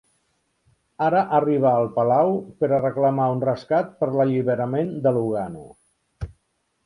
Ara arriba al palau per a reclamar un rescat per l'alliberament de Lugano.